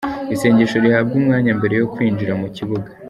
Isengesho rihabwa umwanya mbere yo kwinjira mu kibuga.